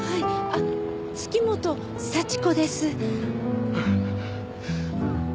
あっ月本幸子です。